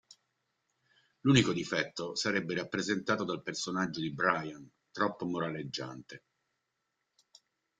L'unico difetto sarebbe rappresentato dal personaggio di Brian, troppo moraleggiante.